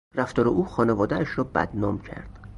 رفتار او خانوادهاش را بدنام کرد.